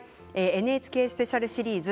ＮＨＫスペシャルシリーズ